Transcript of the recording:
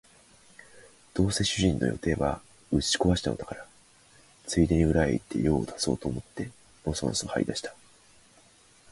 どうせ主人の予定は打ち壊したのだから、ついでに裏へ行って用を足そうと思ってのそのそ這い出した